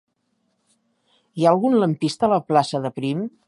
Hi ha algun lampista a la plaça de Prim?